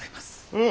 うん。